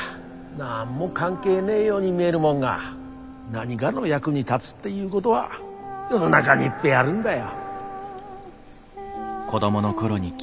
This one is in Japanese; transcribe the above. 何も関係ねえように見えるもんが何がの役に立つっていうごどは世の中にいっぺえあるんだよ。